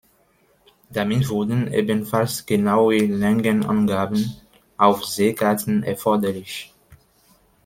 Damit wurden ebenfalls genaue Längenangaben auf Seekarten erforderlich.